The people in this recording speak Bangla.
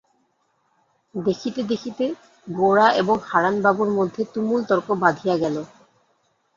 দেখিতে দেখিতে গোরা এবং হারানবাবুর মধ্যে তুমুল তর্ক বাধিয়া গেল।